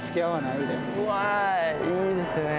いいですね。